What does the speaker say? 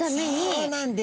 そうなんです！